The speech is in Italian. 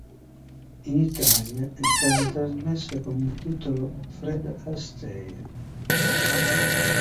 In Italia è stata trasmessa con il titolo "Fred Astaire".